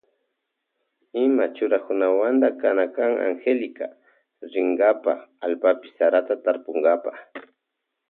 Ima churanawanta kana Angélica rinkapa allpapi sarata tarpunkapa.